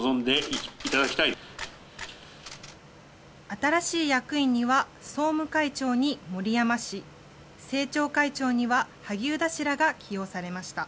新しい役員には総務会長に森山氏政調会長には萩生田氏らが起用されました。